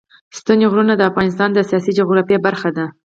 ستوني غرونه د افغانستان د سیاسي جغرافیه برخه ده.